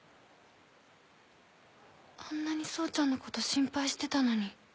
あんなに草ちゃんのこと心配してたのに。